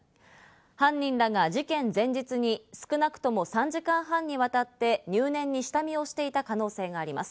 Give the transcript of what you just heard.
犯人らが事件前日に少なくとも３時間半にわたって、入念に下見をしていた可能性があります。